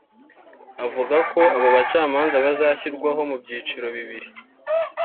Avuga ko abo bacamanza bazashyirwaho mu byiciro bibiri